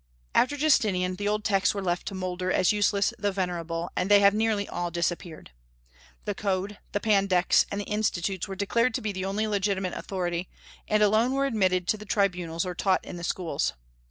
After Justinian the old texts were left to moulder as useless though venerable, and they have nearly all disappeared. The Code, the Pandects, and the Institutes were declared to be the only legitimate authority, and alone were admitted to the tribunals or taught in the schools.